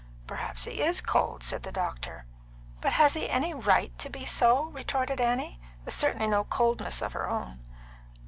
"Perhaps he is cold," said the doctor. "But has he any right to be so?" retorted Annie, with certainly no coldness of her own.